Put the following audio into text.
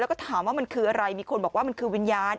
แล้วก็ถามว่ามันคืออะไรมีคนบอกว่ามันคือวิญญาณ